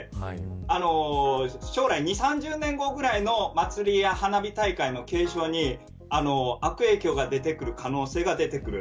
将来２０年後３０年後ぐらいの花火大会の継承に悪影響が出てくる可能性があります。